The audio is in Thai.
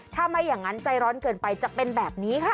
ถ้าไม่อย่างนั้นใจร้อนเกินไปจะเป็นแบบนี้ค่ะ